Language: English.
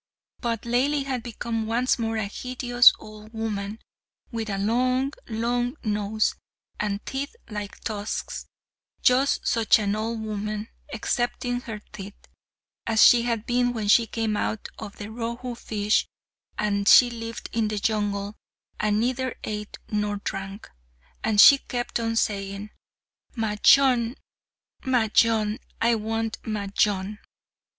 But Laili had become once more a hideous old woman, with a long, long nose, and teeth like tusks; just such an old woman, excepting her teeth, as she had been when she came out of the Rohu fish; and she lived in the jungle, and neither ate nor drank, and she kept on saying, "Majnun, Majnun; I want Majnun."